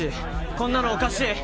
こんなのおかしい！